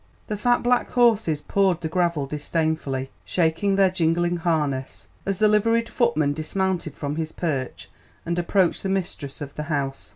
The fat black horses pawed the gravel disdainfully, shaking their jingling harness, as the liveried footman dismounted from his perch and approached the mistress of the house.